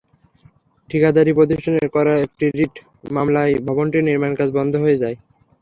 ঠিকাদারি প্রতিষ্ঠানের করা একটি রিট মামলায় ভবনটির নির্মাণকাজ বন্ধ হয়ে যায়।